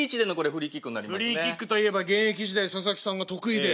フリーキックといえば現役時代佐々木さんが得意で。